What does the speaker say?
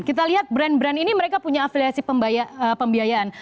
kita lihat brand brand ini mereka punya afiliasi pembiayaan